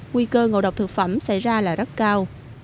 nguy cơ ngộ độc thực phẩm xảy ra là rất cao